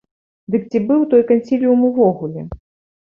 Дык ці быў той кансіліум увогуле?